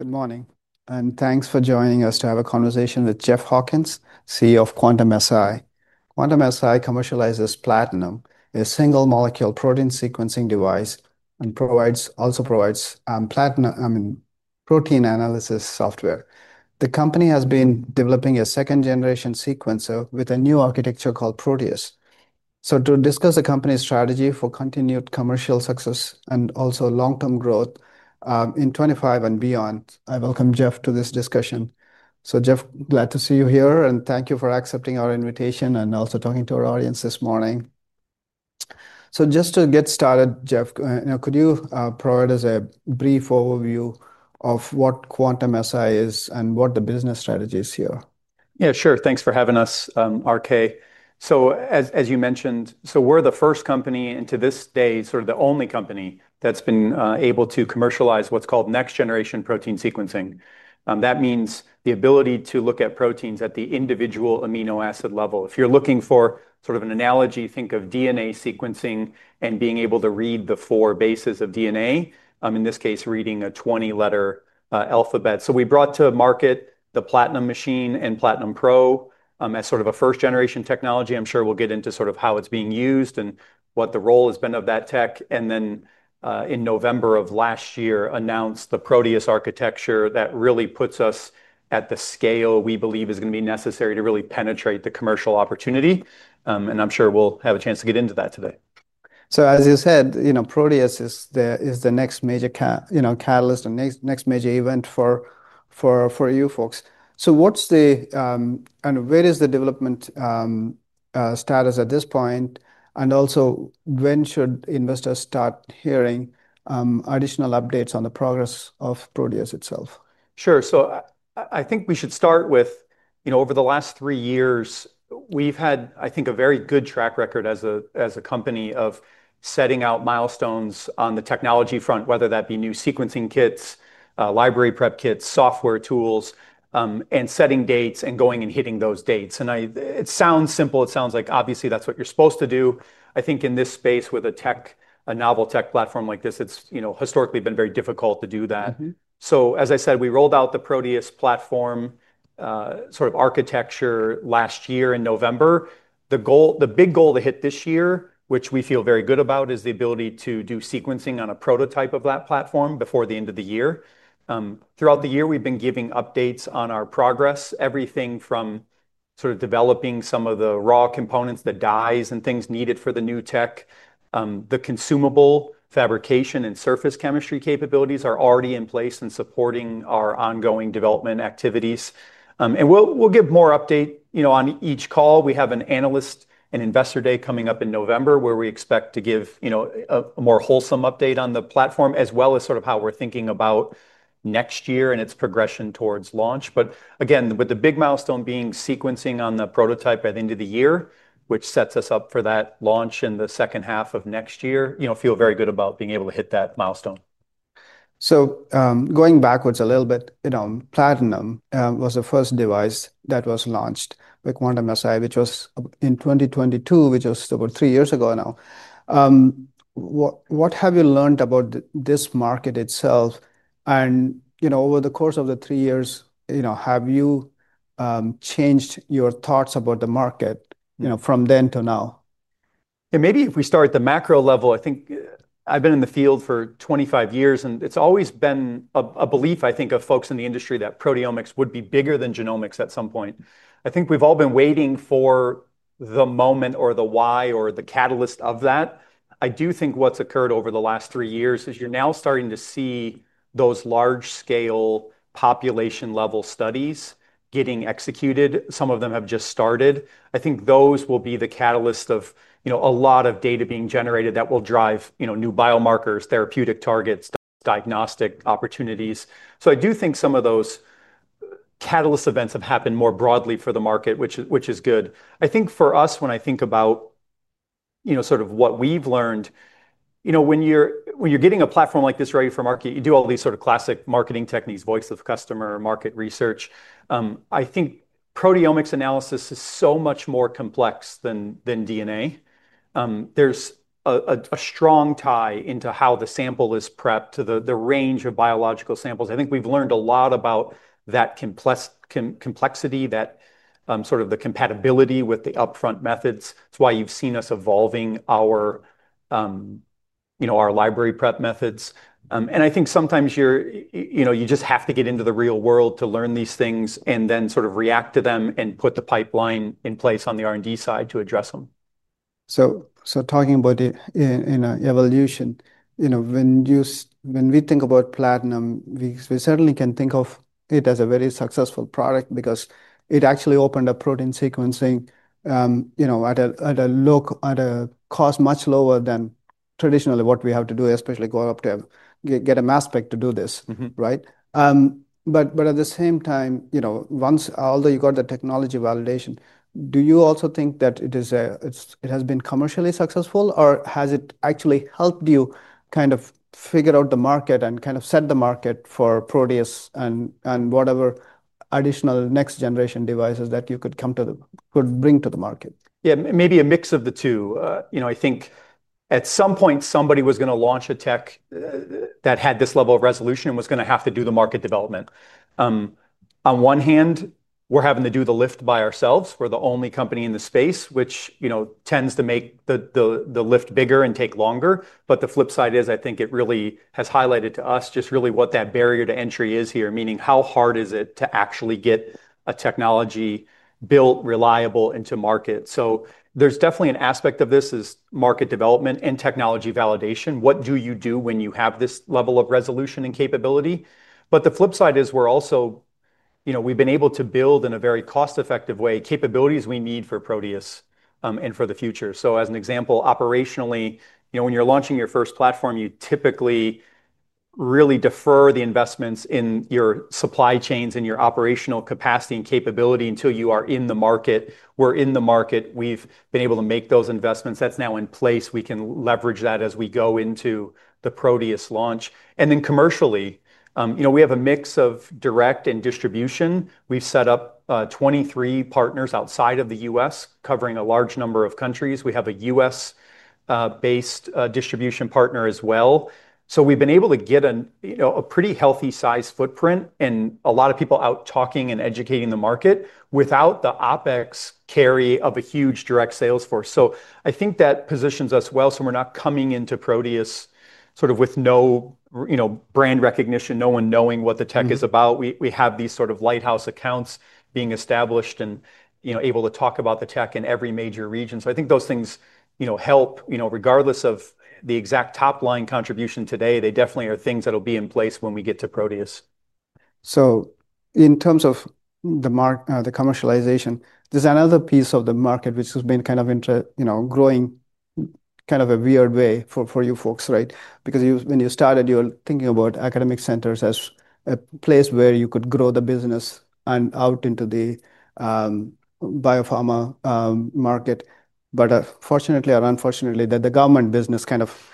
Good morning, and thanks for joining us to have a conversation with Jeff Hawkins, CEO of Quantum-Si. Quantum-Si commercializes Platinum, a single-molecule protein sequencing device, and also provides Platinum protein analysis software. The company has been developing a second-generation sequencer with a new architecture called Proteus. To discuss the company's strategy for continued commercial success and also long-term growth in 2025 and beyond, I welcome Jeff to this discussion. Jeff, glad to see you here, and thank you for accepting our invitation and also talking to our audience this morning. Just to get started, Jeff, could you provide us a brief overview of what Quantum-Si is and what the business strategy is here? Yeah, sure. Thanks for having us, RK. As you mentioned, we're the first company, and to this day, sort of the only company that's been able to commercialize what's called next-generation protein sequencing. That means the ability to look at proteins at the individual amino acid level. If you're looking for sort of an analogy, think of DNA sequencing and being able to read the four bases of DNA, in this case, reading a 20-letter alphabet. We brought to market the Platinum machine and Platinum Pro as sort of a first-generation technology. I'm sure we'll get into sort of how it's being used and what the role has been of that tech. In November of last year, we announced the Proteus architecture that really puts us at the scale we believe is going to be necessary to really penetrate the commercial opportunity. I'm sure we'll have a chance to get into that today. As you said, Proteus is the next major catalyst, the next major event for you folks. What's the, and where is the development status at this point? Also, when should investors start hearing additional updates on the progress of Proteus itself? Sure. I think we should start with, you know, over the last three years, we've had, I think, a very good track record as a company of setting out milestones on the technology front, whether that be new sequencing kits, library preparation kits, software tools, and setting dates and going and hitting those dates. It sounds simple. It sounds like, obviously, that's what you're supposed to do. I think in this space with a tech, a novel tech platform like this, it's, you know, historically been very difficult to do that. As I said, we rolled out the Proteus platform sort of architecture last year in November. The big goal to hit this year, which we feel very good about, is the ability to do sequencing on a prototype of that platform before the end of the year. Throughout the year, we've been giving updates on our progress, everything from sort of developing some of the raw components, the dyes, and things needed for the new tech. The consumable fabrication and surface chemistry capabilities are already in place and supporting our ongoing development activities. We'll give more updates, you know, on each call. We have an analyst and investor day coming up in November where we expect to give, you know, a more wholesome update on the platform, as well as sort of how we're thinking about next year and its progression towards launch. Again, with the big milestone being sequencing on the prototype by the end of the year, which sets us up for that launch in the second half of next year, you know, feel very good about being able to hit that milestone. Going backwards a little bit, you know, Platinum was the first device that was launched with Quantum-Si, which was in 2022, which was over three years ago now. What have you learned about this market itself? You know, over the course of the three years, you know, have you changed your thoughts about the market, you know, from then to now? Yeah, maybe if we start at the macro level, I think I've been in the field for 25 years, and it's always been a belief, I think, of folks in the industry that proteomics would be bigger than genomics at some point. I think we've all been waiting for the moment or the why or the catalyst of that. I do think what's occurred over the last three years is you're now starting to see those large-scale population-level studies getting executed. Some of them have just started. I think those will be the catalyst of a lot of data being generated that will drive new biomarkers, therapeutic targets, diagnostic opportunities. I do think some of those catalyst events have happened more broadly for the market, which is good. I think for us, when I think about what we've learned, when you're getting a platform like this ready for market, you do all these classic marketing techniques, voice of customer, market research. I think proteomics analysis is so much more complex than DNA. There's a strong tie into how the sample is prepped to the range of biological samples. I think we've learned a lot about that complexity, that sort of the compatibility with the upfront methods. That's why you've seen us evolving our library prep methods. I think sometimes you just have to get into the real world to learn these things and then sort of react to them and put the pipeline in place on the R&D side to address them. Talking about the evolution, you know, when we think about Platinum, we certainly can think of it as a very successful product because it actually opened up protein sequencing, you know, at a cost much lower than traditionally what we have to do, especially going up to get a mass spec to do this, right? At the same time, you know, once although you got the technology validation, do you also think that it has been commercially successful or has it actually helped you kind of figure out the market and kind of set the market for Proteus and whatever additional next-generation devices that you could come to, could bring to the market? Yeah, maybe a mix of the two. I think at some point somebody was going to launch a tech that had this level of resolution and was going to have to do the market development. On one hand, we're having to do the lift by ourselves. We're the only company in the space, which tends to make the lift bigger and take longer. The flip side is, I think it really has highlighted to us just really what that barrier to entry is here, meaning how hard is it to actually get a technology built reliable into market. There's definitely an aspect of this is market development and technology validation. What do you do when you have this level of resolution and capability? The flip side is we're also, we've been able to build in a very cost-effective way capabilities we need for Proteus and for the future. As an example, operationally, when you're launching your first platform, you typically really defer the investments in your supply chains and your operational capacity and capability until you are in the market. We're in the market. We've been able to make those investments. That's now in place. We can leverage that as we go into the Proteus launch. Commercially, we have a mix of direct and distribution. We've set up 23 partners outside of the U.S. covering a large number of countries. We have a U.S.-based distribution partner as well. We've been able to get a pretty healthy size footprint and a lot of people out talking and educating the market without the OpEx carry of a huge direct sales force. I think that positions us well. We're not coming into Proteus sort of with no brand recognition, no one knowing what the tech is about. We have these sort of lighthouse accounts being established and able to talk about the tech in every major region. I think those things help, regardless of the exact top line contribution today, they definitely are things that will be in place when we get to Proteus. In terms of the commercialization, there's another piece of the market which has been kind of growing in a weird way for you folks, right? Because when you started, you were thinking about academic centers as a place where you could grow the business and out into the biopharma market. Fortunately or unfortunately, the government business kind of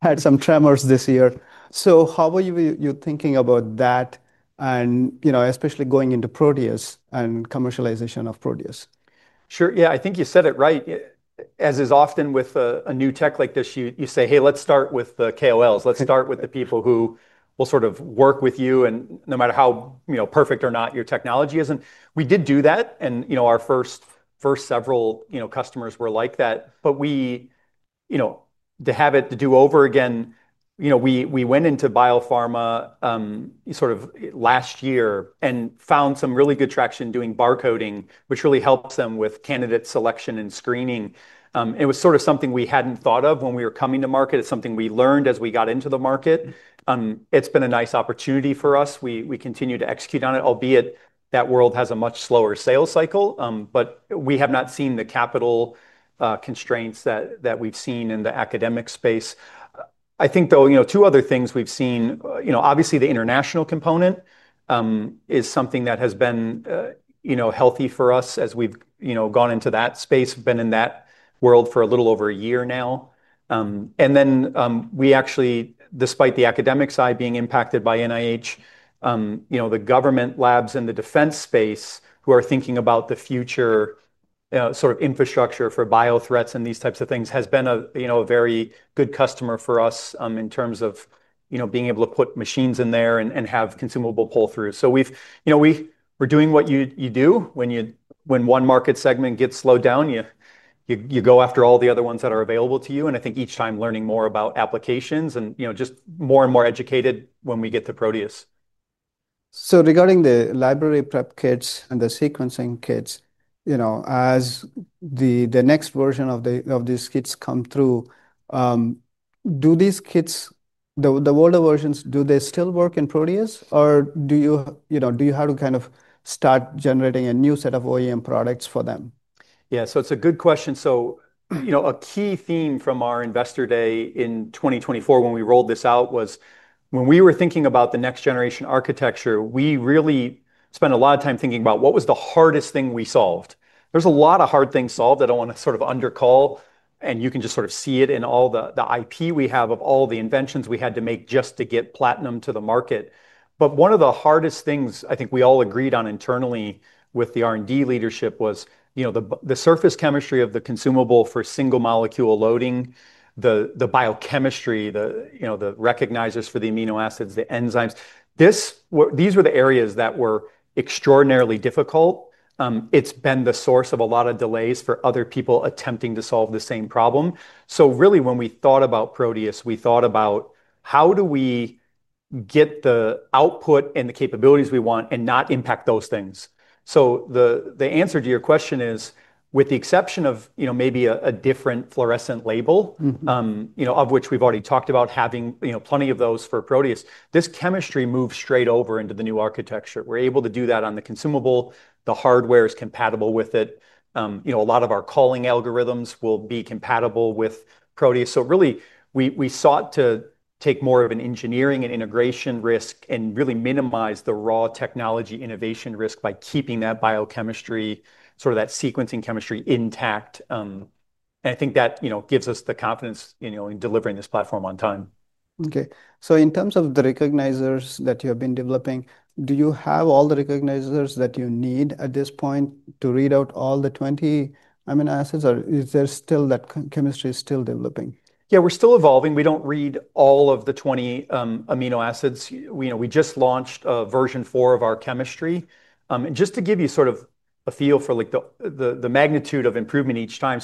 had some tremors this year. How were you thinking about that, especially going into Proteus and commercialization of Proteus? Sure. Yeah, I think you said it right. As is often with a new tech like this, you say, hey, let's start with the KOLs. Let's start with the people who will sort of work with you and no matter how, you know, perfect or not your technology is. We did do that. Our first several customers were like that. To have it to do over again, we went into biopharma last year and found some really good traction doing barcoding, which really helped them with candidate selection and screening. It was something we hadn't thought of when we were coming to market. It's something we learned as we got into the market. It's been a nice opportunity for us. We continue to execute on it, albeit that world has a much slower sales cycle. We have not seen the capital constraints that we've seen in the academic space. I think, though, two other things we've seen, obviously the international component is something that has been healthy for us as we've gone into that space, been in that world for a little over a year now. We actually, despite the academic side being impacted by NIH, the government labs in the defense space who are thinking about the future, sort of infrastructure for bio threats and these types of things has been a very good customer for us in terms of being able to put machines in there and have consumable pull-through. We've been doing what you do when one market segment gets slowed down, you go after all the other ones that are available to you. I think each time learning more about applications and just more and more educated when we get to Proteus. Regarding the library preparation kits and the sequencing kits, as the next version of these kits come through, do these kits, the older versions, still work in Proteus or do you have to kind of start generating a new set of OEM products for them? Yeah, it's a good question. A key theme from our investor day in 2024 when we rolled this out was when we were thinking about the next generation architecture, we really spent a lot of time thinking about what was the hardest thing we solved. There are a lot of hard things solved that I don't want to sort of undercall. You can just sort of see it in all the IP we have of all the inventions we had to make just to get Platinum to the market. One of the hardest things I think we all agreed on internally with the R&D leadership was the surface chemistry of the consumable for single molecule loading, the biochemistry, the recognizers for the amino acids, the enzymes. These were the areas that were extraordinarily difficult. It's been the source of a lot of delays for other people attempting to solve the same problem. When we thought about Proteus, we thought about how do we get the output and the capabilities we want and not impact those things. The answer to your question is, with the exception of maybe a different fluorescent label, of which we've already talked about having plenty of those for Proteus, this chemistry moves straight over into the new architecture. We're able to do that on the consumable. The hardware is compatible with it. A lot of our calling algorithms will be compatible with Proteus. We sought to take more of an engineering and integration risk and really minimize the raw technology innovation risk by keeping that biochemistry, sort of that sequencing chemistry intact. I think that gives us the confidence in delivering this platform on time. In terms of the recognizers that you have been developing, do you have all the recognizers that you need at this point to read out all the 20 amino acids, or is that chemistry still developing? Yeah, we're still evolving. We don't read all of the 20 amino acids. We just launched a version four of our chemistry. Just to give you sort of a feel for the magnitude of improvement each time,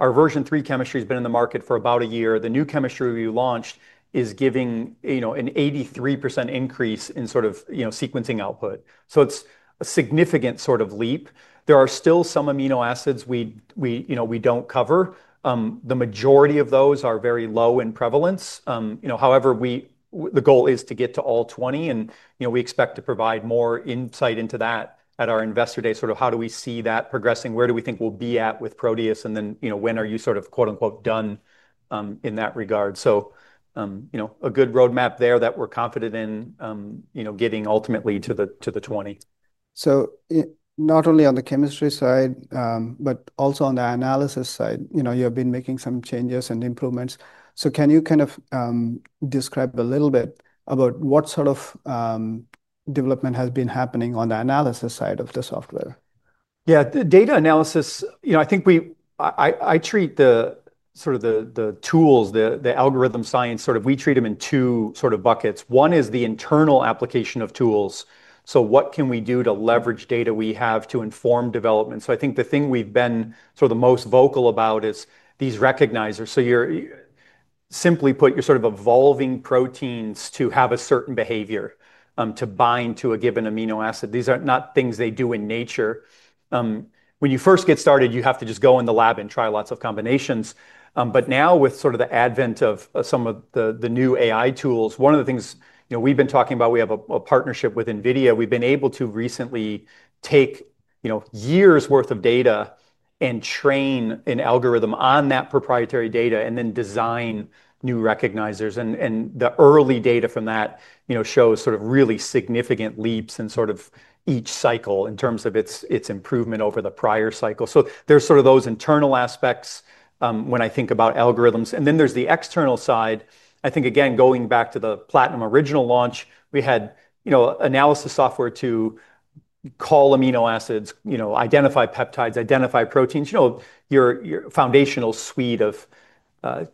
our version three chemistry has been in the market for about a year. The new chemistry we launched is giving an 83% increase in sequencing output. It's a significant leap. There are still some amino acids we don't cover. The majority of those are very low in prevalence. However, the goal is to get to all 20, and we expect to provide more insight into that at our investor day. How do we see that progressing? Where do we think we'll be at with Proteus? When are you sort of quote unquote done in that regard? A good roadmap there that we're confident in, getting ultimately to the 20. Not only on the chemistry side, but also on the analysis side, you have been making some changes and improvements. Can you kind of describe a little bit about what sort of development has been happening on the analysis side of the software? Yeah, the data analysis, you know, I think we, I treat the sort of the tools, the algorithm science, sort of we treat them in two sort of buckets. One is the internal application of tools. What can we do to leverage data we have to inform development? I think the thing we've been sort of the most vocal about is these recognizers. Simply put, you're sort of evolving proteins to have a certain behavior to bind to a given amino acid. These are not things they do in nature. When you first get started, you have to just go in the lab and try lots of combinations. Now, with the advent of some of the new AI tools, one of the things we've been talking about, we have a partnership with NVIDIA. We've been able to recently take years' worth of data and train an algorithm on that proprietary data and then design new recognizers. The early data from that shows really significant leaps in each cycle in terms of its improvement over the prior cycle. There are those internal aspects when I think about algorithms. Then there's the external side. Again, going back to the Platinum original launch, we had analysis software to call amino acids, identify peptides, identify proteins, your foundational suite of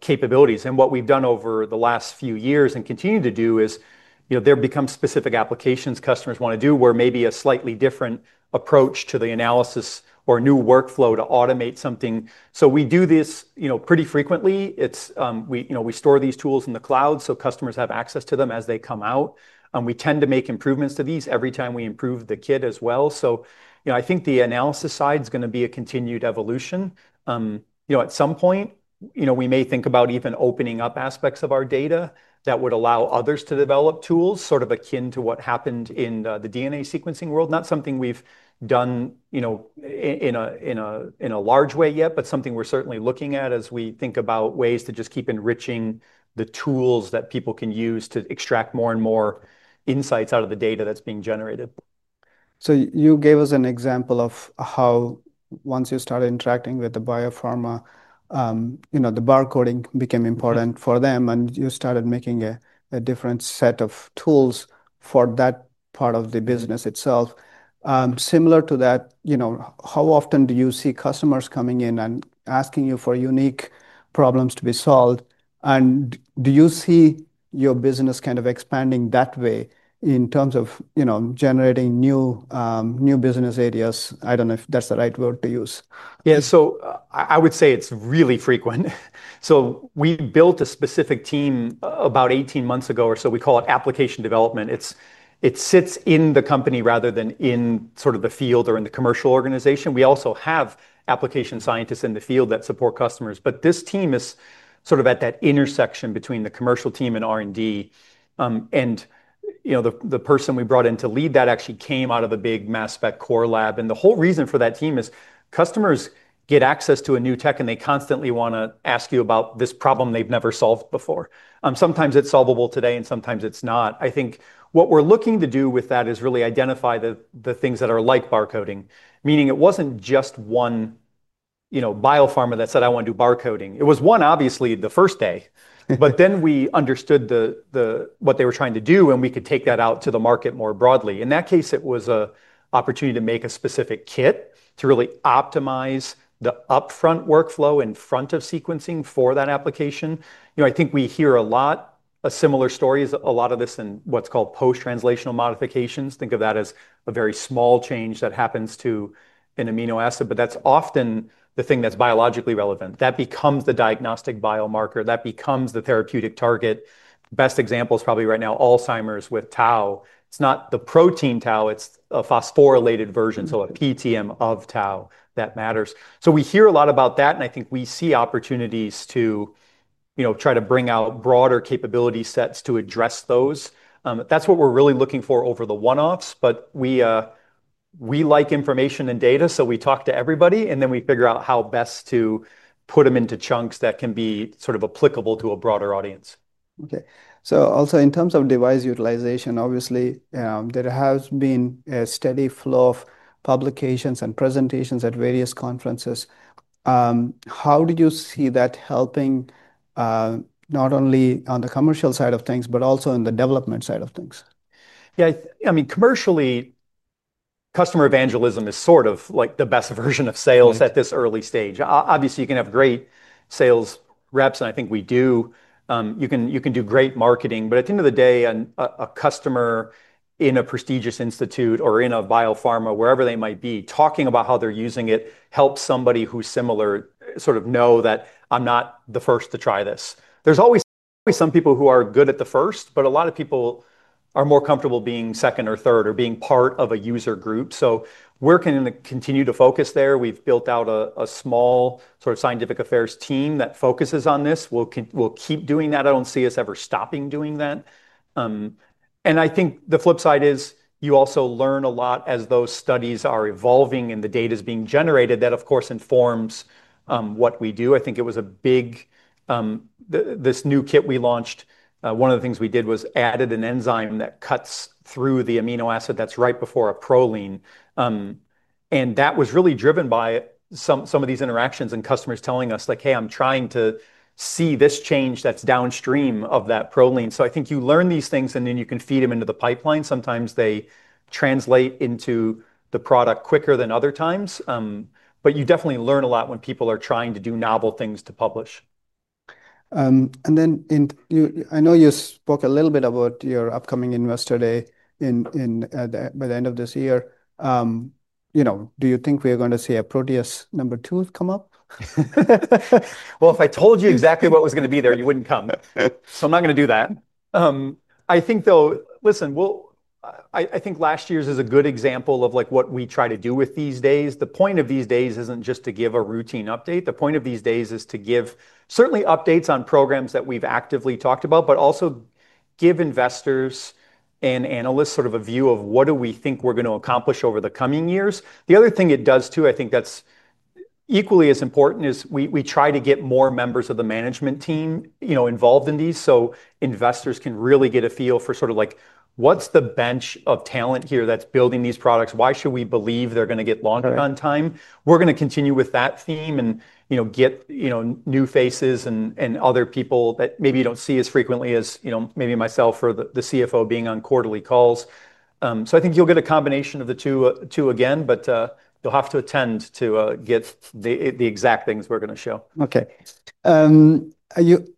capabilities. What we've done over the last few years and continue to do is, there have become specific applications customers want to do where maybe a slightly different approach to the analysis or new workflow to automate something. We do this pretty frequently. We store these tools in the cloud so customers have access to them as they come out. We tend to make improvements to these every time we improve the kit as well. I think the analysis side is going to be a continued evolution. At some point, we may think about even opening up aspects of our data that would allow others to develop tools, sort of akin to what happened in the DNA sequencing world. Not something we've done in a large way yet, but something we're certainly looking at as we think about ways to just keep enriching the tools that people can use to extract more and more insights out of the data that's being generated. You gave us an example of how once you started interacting with the biopharma, you know, the barcoding became important for them and you started making a different set of tools for that part of the business itself. Similar to that, how often do you see customers coming in and asking you for unique problems to be solved? Do you see your business kind of expanding that way in terms of generating new business areas? I don't know if that's the right word to use. Yeah, I would say it's really frequent. We built a specific team about 18 months ago or so. We call it application development. It sits in the company rather than in the field or in the commercial organization. We also have application scientists in the field that support customers. This team is at that intersection between the commercial team and R&D. The person we brought in to lead that actually came out of a big mass spec core lab. The whole reason for that team is customers get access to a new tech and they constantly want to ask you about this problem they've never solved before. Sometimes it's solvable today and sometimes it's not. What we're looking to do with that is really identify the things that are like barcoding, meaning it wasn't just one, you know, biopharma that said, "I want to do barcoding." It was one obviously the first day. Then we understood what they were trying to do and we could take that out to the market more broadly. In that case, it was an opportunity to make a specific kit to really optimize the upfront workflow in front of sequencing for that application. I think we hear a lot of similar stories, a lot of this in what's called post-translational modifications. Think of that as a very small change that happens to an amino acid, but that's often the thing that's biologically relevant. That becomes the diagnostic biomarker. That becomes the therapeutic target. The best example is probably right now Alzheimer's with Tau. It's not the protein Tau, it's a phosphorylated version, so a PTM of Tau that matters. We hear a lot about that and I think we see opportunities to try to bring out broader capability sets to address those. That's what we're really looking for over the one-offs, but we like information and data, so we talk to everybody and then we figure out how best to put them into chunks that can be applicable to a broader audience. Okay. Also, in terms of device utilization, obviously, there has been a steady flow of publications and presentations at various conferences. How did you see that helping not only on the commercial side of things, but also in the development side of things? Yeah, I mean, commercially, customer evangelism is sort of like the best version of sales at this early stage. Obviously, you can have great sales reps, and I think we do. You can do great marketing, but at the end of the day, a customer in a prestigious institute or in a biopharma, wherever they might be, talking about how they're using it helps somebody who's similar sort of know that I'm not the first to try this. There's always some people who are good at the first, but a lot of people are more comfortable being second or third or being part of a user group. We're going to continue to focus there. We've built out a small sort of scientific affairs team that focuses on this. We'll keep doing that. I don't see us ever stopping doing that. I think the flip side is you also learn a lot as those studies are evolving and the data is being generated that, of course, informs what we do. I think it was a big, this new kit we launched, one of the things we did was added an enzyme that cuts through the amino acid that's right before a proline. That was really driven by some of these interactions and customers telling us like, "Hey, I'm trying to see this change that's downstream of that proline." I think you learn these things and then you can feed them into the pipeline. Sometimes they translate into the product quicker than other times, but you definitely learn a lot when people are trying to do novel things to publish. I know you spoke a little bit about your upcoming investor day by the end of this year. Do you think we are going to see a Proteus number two come up? If I told you exactly what was going to be there, you wouldn't come. I'm not going to do that. I think last year's is a good example of what we try to do with these days. The point of these days isn't just to give a routine update. The point of these days is to give certainly updates on programs that we've actively talked about, but also give investors and analysts sort of a view of what do we think we're going to accomplish over the coming years. The other thing it does too, I think that's equally as important, is we try to get more members of the management team involved in these so investors can really get a feel for what's the bench of talent here that's building these products. Why should we believe they're going to get launched on time? We're going to continue with that theme and get new faces and other people that maybe you don't see as frequently as maybe myself or the CFO being on quarterly calls. I think you'll get a combination of the two again, but you'll have to attend to get the exact things we're going to show. Okay.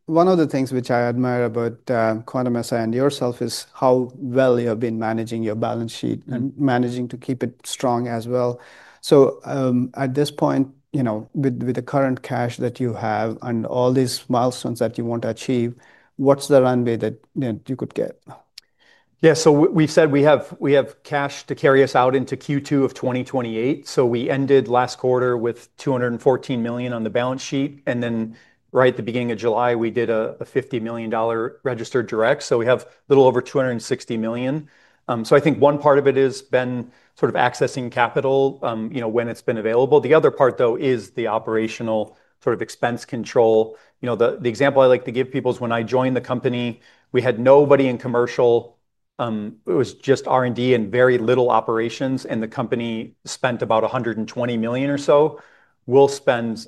One of the things which I admire about Quantum-Si and yourself is how well you have been managing your balance sheet and managing to keep it strong as well. At this point, with the current cash that you have and all these milestones that you want to achieve, what's the runway that you could get? Yeah, we've said we have cash to carry us out into Q2 of 2028. We ended last quarter with $214 million on the balance sheet. Right at the beginning of July, we did a $50 million registered direct. We have a little over $260 million. I think one part of it has been sort of accessing capital when it's been available. The other part is the operational sort of expense control. The example I like to give people is when I joined the company, we had nobody in commercial. It was just R&D and very little operations, and the company spent about $120 million or so. We'll spend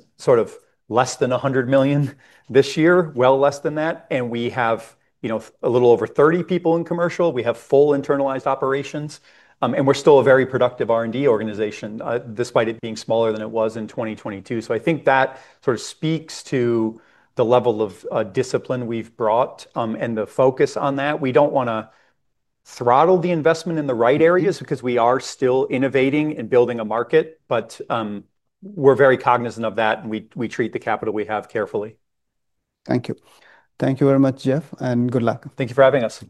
less than $100 million this year, well less than that. We have a little over 30 people in commercial. We have full internalized operations, and we're still a very productive R&D organization despite it being smaller than it was in 2022. I think that sort of speaks to the level of discipline we've brought and the focus on that. We don't want to throttle the investment in the right areas because we are still innovating and building a market. We're very cognizant of that and we treat the capital we have carefully. Thank you. Thank you very much, Jeff, and good luck. Thank you for having us.